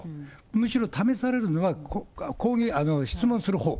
むしろ試されるのは、質問するほう。